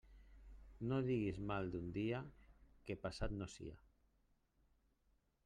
No diguis mal d'un dia que passat no sia.